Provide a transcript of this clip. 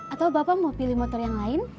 atau bapak mau pilih motor yang lain